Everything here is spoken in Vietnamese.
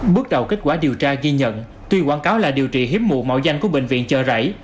bước đầu kết quả điều tra ghi nhận tuy quảng cáo là điều trị hiếm muộn danh của bệnh viện chợ rẫy